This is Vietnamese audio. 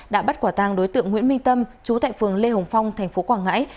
đã bắt quả tàng đối tượng nguyễn minh tâm chú tại phường lê hồng phong thành phố quảng ngãi